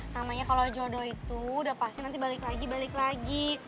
namanya kalau jodoh itu udah pasti nanti balik lagi balik lagi